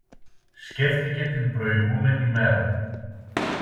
Σκέφτηκε την προηγούμενη μέρα